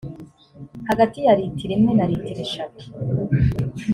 hagati ya litiro imwe na litiro eshatu